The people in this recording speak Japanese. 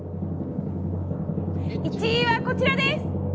１位はこちらです。